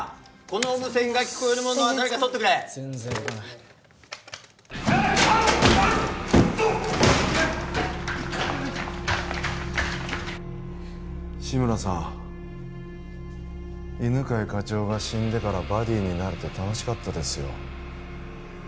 この無線が聞こえる者は誰かとってくれあっ志村さん犬飼課長が死んでからバディになれて楽しかったですよ